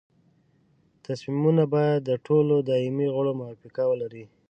تصمیمونه باید د ټولو دایمي غړو موافقه ولري.